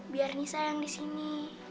biar nisa yang di sini